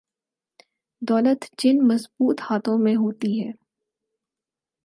دولت جن مضبوط ہاتھوں میں ہوتی ہے۔